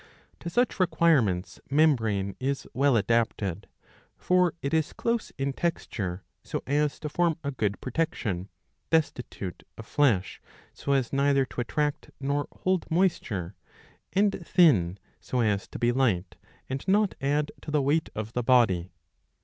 To such requirements membrane is well adapted ; for it is close in texture so as to form a good protection, destitute of flesh so as neither to attract nor hold moisture, and thin so as to be light and not add to the weight of the body.